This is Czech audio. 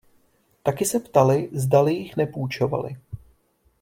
Taky se ptali, zdali jich nepůjčovali.